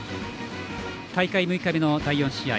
大会６日目の第４試合。